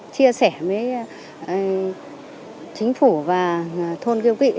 chia sẻ với chính phủ và thôn tiêu kỵ